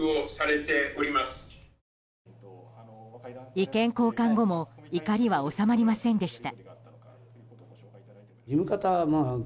意見交換後も怒りは収まりませんでした。